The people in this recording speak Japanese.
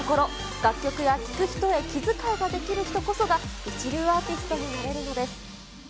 楽曲や聴く人へ気遣いができる人こそが、一流アーティストになれるのです。